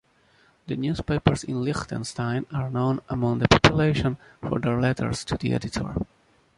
The newspapers in Liechtenstein are known among the population for their letters to the editor.